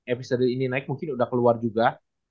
episode ini naik mungkin udah keluar juga